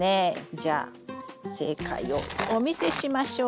じゃあ正解をお見せしましょう。